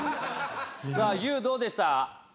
さあゆーどうでした？